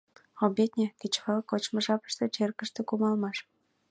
Обедня — кечывал кочмо жапыште черкыште кумалмаш.